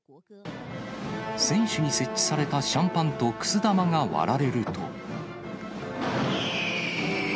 船首に設置されたシャンパンとくす玉が割られると。